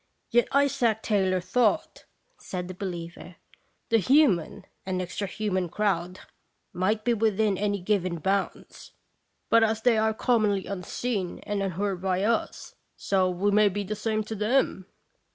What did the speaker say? " "Yet Isaac Taylor thought," said the be liever, "the human and extra human crowd might be within any given bounds; but as they are commonly unseen and unheard by us, so we may be the same to them."